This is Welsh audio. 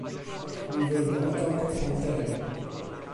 Mi fynnodd gael cwpan de.